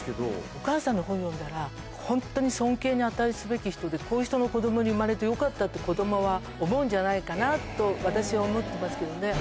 お母さんの本読んだら、本当に尊敬に値すべき人で、こういう人の子どもに産まれてよかったって、子どもは思うんじゃないかなと、私は思ってますけどね。